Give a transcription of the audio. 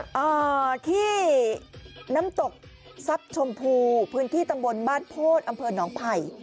อ่าที่น้ำตกทรัพย์ชมพูพื้นที่ตำบลบ้านโพธิอำเภอหนองไผ่